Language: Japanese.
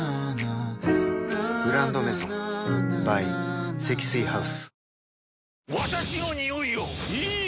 「グランドメゾン」ｂｙ 積水ハウス